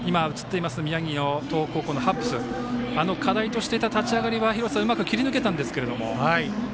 宮城の東北高校のハッブス課題としていた立ち上がりはうまく切り抜けたんですけれども。